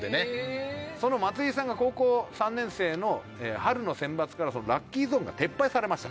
その松井さんが高校３年生の春の選抜からラッキーゾーンが撤廃されました。